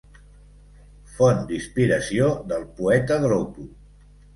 Font d'inspiració del poeta dropo.